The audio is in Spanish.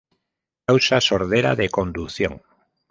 Causa sordera de conducción.